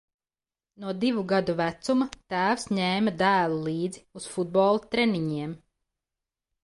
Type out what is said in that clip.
No divu gadu vecuma tēvs ņēma dēlu līdzi uz futbola treniņiem.